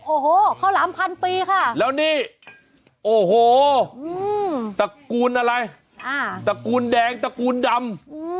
โอ้โหข้าวหลามพันปีค่ะแล้วนี่โอ้โหตระกูลอะไรตระกูลแดงตระกูลดำ